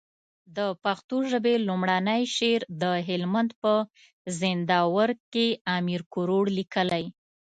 د پښتو ژبي لومړنی شعر د هلمند په زينداور کي امير کروړ ليکلی